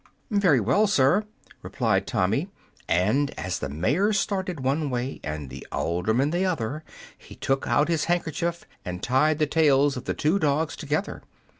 "Very well, sir," replied Tommy; and as the mayor started one way and the alderman the other, he took out his handkerchief and tied the tails of the two dogs together.